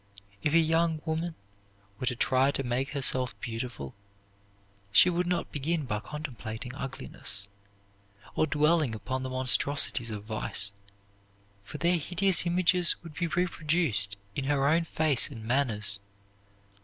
If a young woman were to try to make herself beautiful, she would not begin by contemplating ugliness, or dwelling upon the monstrosities of vice, for their hideous images would be reproduced in her own face and manners.